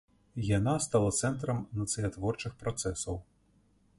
Яна стала цэнтрам нацыятворчых працэсаў.